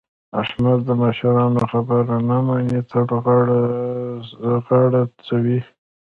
احمد د مشرانو خبره نه مني؛ تل غاړه ځوي.